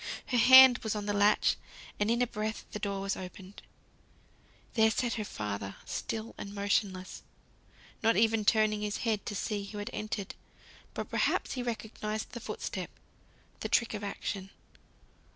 Her hand was on the latch, and in a breath the door was opened. There sat her father, still and motionless not even turning his head to see who had entered; but perhaps he recognised the foot step, the trick of action.